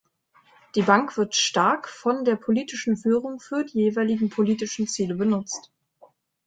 Die Bank wird stark von der politischen Führung für die jeweiligen politischen Ziele benutzt.